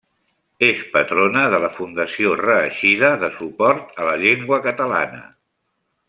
És patrona de la Fundació Reeixida de suport a la llengua catalana.